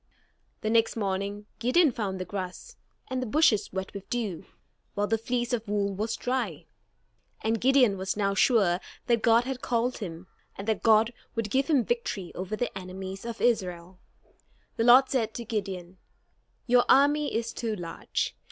The next morning, Gideon found the grass, and the bushes wet with dew, while the fleece of wool was dry. And Gideon was now sure that God had called him, and that God would give him victory over the enemies of Israel. The Lord said to Gideon: "Your army is too large.